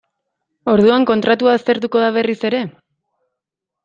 Orduan kontratua aztertuko da berriz ere?